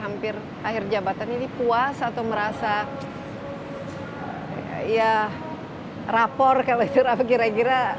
hampir akhir jabatan ini puas atau merasa ya rapor kalau gitu kira kira mana gitu